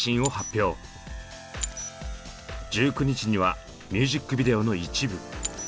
１９日にはミュージックビデオの一部。